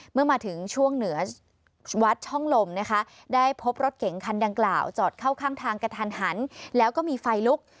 เมื่อมาถึงช่วงเหนือวัดช่องลมนะคะได้พบรถเก๋งคันดังกล่าวจอดเข้าข้างทางกระทันหันแล้วก็มีไฟลุก